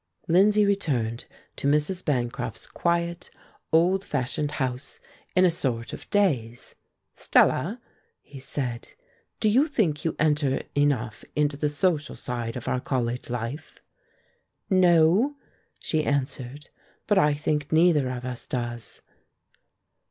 Lindsay returned to Mrs. Bancroft's quiet, old fashioned house in a sort of daze. "Stella," he said, "do you think you enter enough into the social side of our college life?" "No," she answered. "But I think neither of us does."